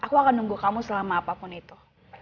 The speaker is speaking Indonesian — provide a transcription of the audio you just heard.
aku akan nunggu kamu selama apapun itu